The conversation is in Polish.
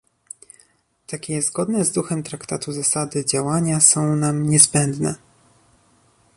Takie zgodne z duchem traktatu zasady działania są nam niezbędne